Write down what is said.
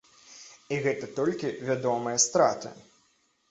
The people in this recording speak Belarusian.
І гэта толькі вядомыя страты.